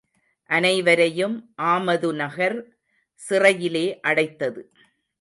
அனைவரையும் ஆமதுநகர் சிறையிலே அடைத்தது.